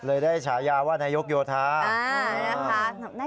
ได้ฉายาว่านายกโยธา